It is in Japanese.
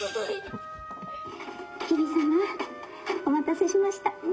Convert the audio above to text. お待たせしました」。